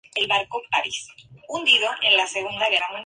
Ha viajado y vivido en diversos países, estudiando diferentes culturas.